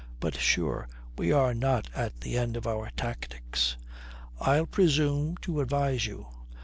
But sure, we are not at the end of our tactics. I'll presume to advise you.